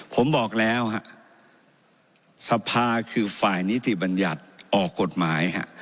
ผมบอกแล้วฮะสภาคือฝ่ายนิติบัญญัติออกกฎหมายฮะ